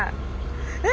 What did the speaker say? え！